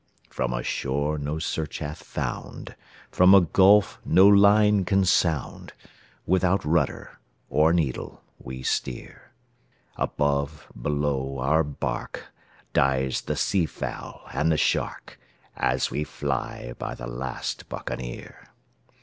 "From a shore no search hath found, from a gulf no line can sound, Without rudder or needle we steer; Above, below, our bark, dies the sea fowl and the shark, As we fly by the last Buccaneer.